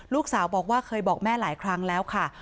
ลูกสาวบอกว่าเคยบอกแม่หลายครั้งแล้วค่ะ